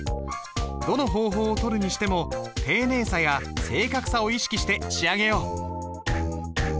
どの方法をとるにしても丁寧さや正確さを意識して仕上げよう。